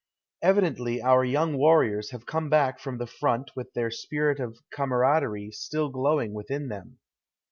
Evidently our young warriors have come back from the front with their sj)irit of camaraderie still glow ing within them.